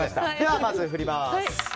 まず振ります。